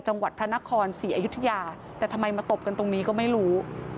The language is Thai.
จังหวัดพระนครศรีอยุธยาแต่ทำไมมาตบกันตรงนี้ก็ไม่รู้